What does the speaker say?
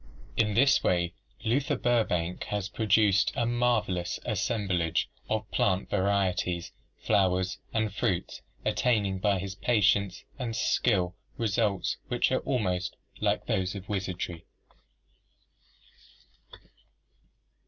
In this way Luther Burbank has SEXUAL AND ARTIFICIAL SELECTION 131 produced a marvelous assemblage of plant varieties, flowers, and fruits, attaining by his patience and skill results which are almost like those of wizardry.